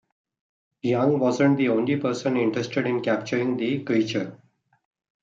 Young wasn't the only person interested in capturing the creature.